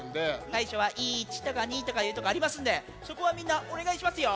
「さいしょはいち」とか「に」とかいうとこありますんでそこはみんなおねがいしますよ。